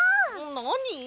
なに？